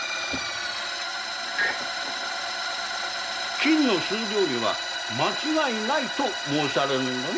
金の数量には間違いないと申されるのだな？